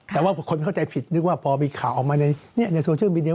แต่ว่าคนเข้าใจผิดนึกว่าพอมีข่าวออกมาในโซเชียลมีเดีย